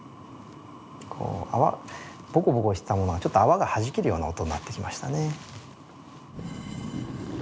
ボコボコしてたものがちょっと泡が弾けるような音になってきましたね。